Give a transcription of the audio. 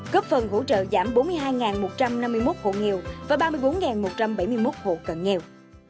góp phần hỗ trợ giảm bốn mươi hai một trăm năm mươi một hộ nghèo và ba mươi bốn một trăm bảy mươi một hộ cận nghèo